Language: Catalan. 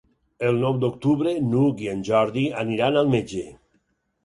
El nou d'octubre n'Hug i en Jordi aniran al metge.